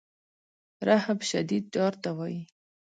رهب شدید ډار ته وایي.